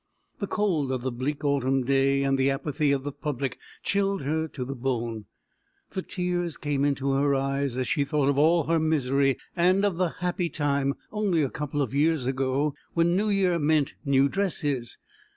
The cold of the bleak autumn day and the apathy of the public chilled her to the bone; the tears came into her eyes as she thought of all her misery and of the happy time only a couple of years ago when New Year meant new dresses.